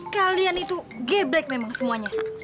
kalian itu geblek memang semuanya